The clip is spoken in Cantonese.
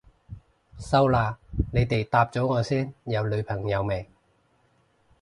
收啦，你哋答咗我先，有女朋友未？